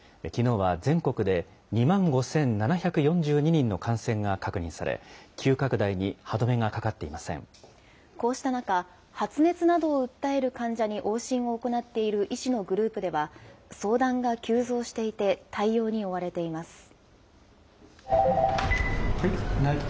きのうは全国で２万５７４２人の感染が確認され、急拡大に歯止めこうした中、発熱などを訴える患者に往診を行っている医師のグループでは、相談が急増していて、対応に追われています。